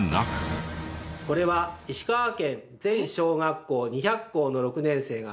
これは石川県全小学校２００校の６年生が。